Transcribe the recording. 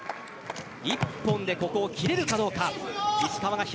１本でここを切れるかどうか。